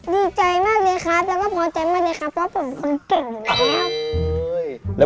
ดีใจมากเลยครับแล้วก็พอใจมากเลยครับเพราะผมคนเก่งนะครับ